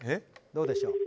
どうでしょう？